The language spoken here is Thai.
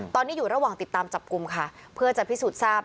ตอนนี้อยู่ระหว่างติดตามจับกลุ่มค่ะเพื่อจะพิสูจน์ทราบ